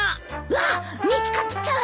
うわっ見つかった。